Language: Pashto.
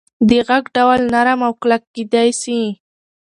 د غږ ډول نرم او کلک کېدی سي.